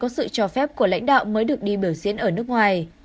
sự cho phép của lãnh đạo mới được đi biểu diễn ở nước ngoài